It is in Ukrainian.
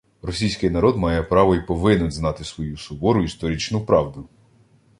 Російський народ має право й повинен знати свою сувору історичну правду